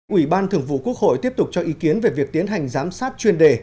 ủy ban thường vụ quốc hội tiếp tục cho ý kiến về việc tiến hành giám sát chuyên đề